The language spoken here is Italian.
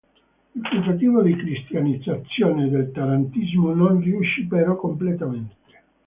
Il tentativo di cristianizzazione del tarantismo non riuscì però completamente.